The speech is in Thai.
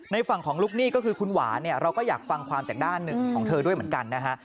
ฝั่งของลูกหนี้ก็คือคุณหวานเนี่ยเราก็อยากฟังความจากด้านหนึ่งของเธอด้วยเหมือนกันนะฮะ